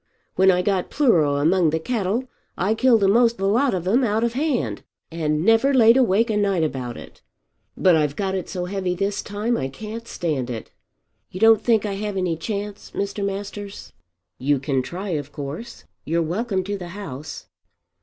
When I got pleuro among the cattle I killed a'most the lot of 'em out of hand, and never laid awake a night about it. But I've got it so heavy this time I can't stand it. You don't think I have any chance, Mr. Masters?" "You can try of course. You're welcome to the house."